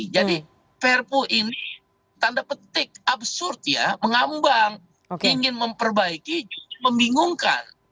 jadi ferpu ini tanda petik absurd ya mengambang ingin memperbaiki juga membingungkan